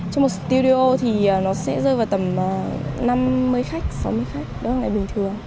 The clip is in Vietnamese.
trong một studio thì nó sẽ rơi vào tầm năm mươi khách sáu mươi khách đó là ngày bình thường